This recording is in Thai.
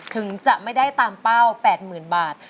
ถึงจะไม่ได้ตามเป้า๘๐๐๐บาท